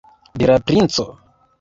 de la princo.